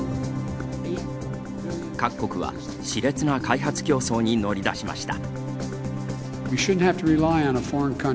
各国は、しれつな開発競争に乗り出しました。